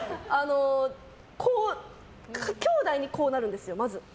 きょうだいにこうなるんですよ、まず。